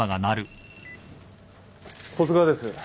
十津川です。